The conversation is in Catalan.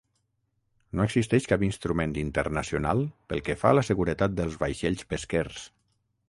No existeix cap instrument internacional pel que fa a la seguretat dels vaixells pesquers.